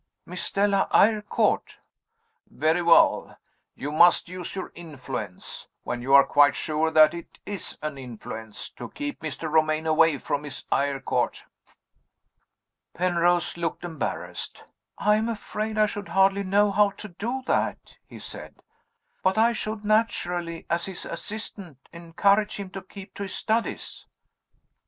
Miss Stella Eyrecourt." "Very well. You must use your influence (when you are quite sure that it is an influence) to keep Mr. Romayne away from Miss Eyrecourt." Penrose looked embarrassed. "I am afraid I should hardly know how to do that," he said "But I should naturally, as his assistant, encourage him to keep to his studies."